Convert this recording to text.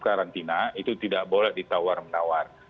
karantina itu tidak boleh ditawar menawar